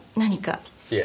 いえ